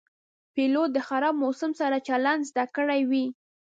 پیلوټ د خراب موسم سره چلند زده کړی وي.